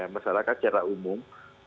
masyarakat secara umum